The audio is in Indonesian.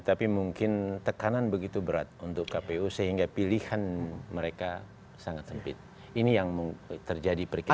tapi mungkin tekanan begitu berat untuk kpu sehingga pilihan mereka sangat sempit ini yang terjadi perkiraan